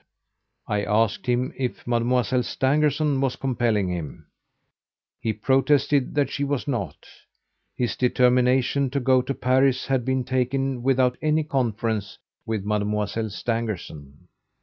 I asked him if Mademoiselle Stangerson was compelling him. He protested that she was not. His determination to go to Paris had been taken without any conference with Mademoiselle Stangerson.